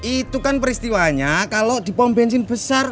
itu kan peristiwanya kalau dipom bensin besar